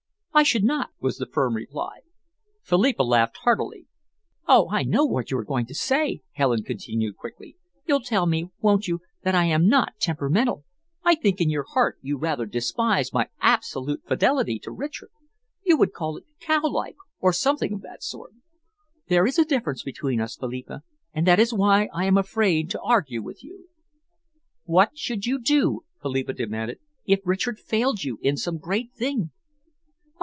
"I should not," was the firm reply. Philippa laughed heartily. "Oh, I know what you are going to say!" Helen continued quickly. "You'll tell me, won't you, that I am not temperamental. I think in your heart you rather despise my absolute fidelity to Richard. You would call it cowlike, or something of that sort. There is a difference between us, Philippa, and that is why I am afraid to argue with you." "What should you do," Philippa demanded, "if Richard failed you in some great thing?"